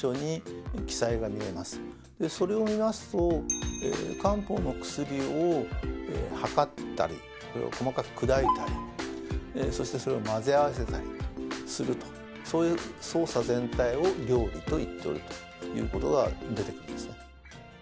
それを見ますと漢方の薬をはかったりそれを細かく砕いたりそしてそれを混ぜ合わせたりするとそういう操作全体を「料理」と言っておるということが出てくるんですね。